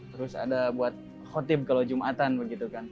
terus ada buat khotib kalau jumatan begitu kan